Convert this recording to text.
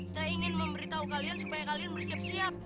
saya ingin memberitahu kalian supaya kalian bersiap siap